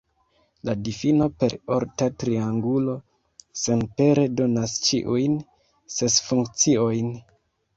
La difino per orta triangulo senpere donas ĉiujn ses funkciojn.